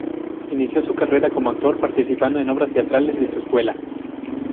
Inició su carrera como actor participando en obras teatrales de su escuela.